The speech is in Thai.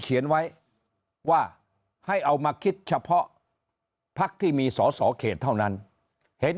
เขียนไว้ว่าให้เอามาคิดเฉพาะพักที่มีสอสอเขตเท่านั้นเห็น